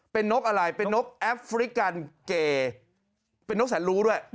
เป็นนกอะไรเป็นนกแอฟริกันเกย์เป็นนกแสนรู้ด้วย